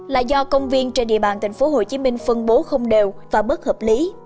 là do công viên trên địa bàn tp hcm phân bố không đều và bất hợp lý